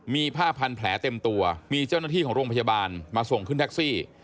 มีผ้าพันแผลเต็มตัวมีเจ้าหน้าที่ของโรงพยาบาลมาส่งขึ้นแท็กซี่